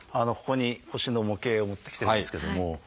ここに腰の模型を持ってきてますけども。